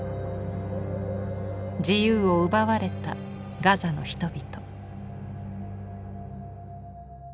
自由を奪われたガザの人々。